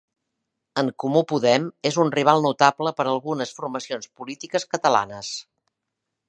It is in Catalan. En Comú Podem és un rival notable per a algunes formacions polítiques catalanes.